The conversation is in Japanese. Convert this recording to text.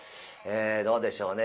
どうでしょうね